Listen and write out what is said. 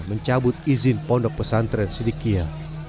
mencabut izin pondok pesantren sidikiyah